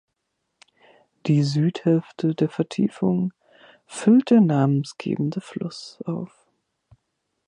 Die Südhälfte der Vertiefung füllt der namensgebende Fluss auf.